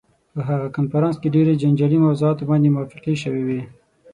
په هغه کنفرانس کې ډېرو جنجالي موضوعاتو باندې موافقې شوې وې.